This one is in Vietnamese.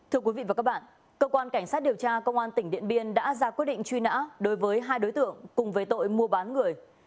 thưa quý vị và các bạn cơ quan cảnh sát điều tra công an tỉnh điện biên đã ra quyết định truy nã đối với hai đối tượng cùng với tội mua bán người